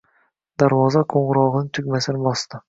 Darvoza qoʻngʻirogʻining tugmasini bosdi.